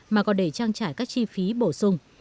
mà còn để trang trải các chi phí bổ sung